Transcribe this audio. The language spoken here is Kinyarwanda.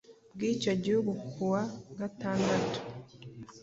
bwicyo gihugu ku wa gatandatu.